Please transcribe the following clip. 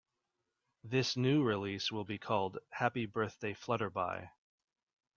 This new release will be called "Happy Birthday Flutterby".